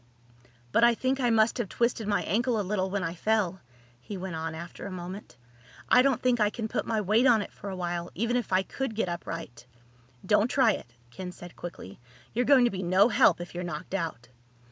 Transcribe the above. "But I think I must have twisted my ankle a little when I fell," he went on after a moment. "I don't think I can put my weight on it for a while, even if I could get upright." "Don't try it," Ken said quickly. "You're going to be no help if you're knocked out."